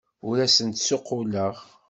Ur asen-d-ssuqquleɣ.